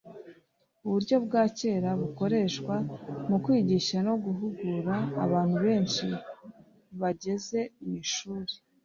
uburyo bwa kera bukoreshwa mu kwigisha no mu guhugura Abantu benshi bageze mu ishuri